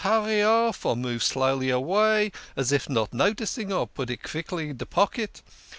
hurry off, or move slowly avay, as if not noticing, or put it quickly in de pocket.